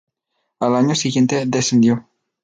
Al año siguiente descendió.